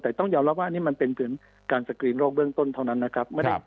แต่ต้องยอมรับว่าอันนี้มันเป็นเหมือนการสกรีนโรคเบื้องต้นเท่านั้นนะครับ